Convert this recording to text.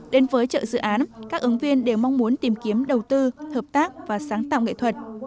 đến với chợ dự án các ứng viên đều mong muốn tìm kiếm đầu tư hợp tác và sáng tạo nghệ thuật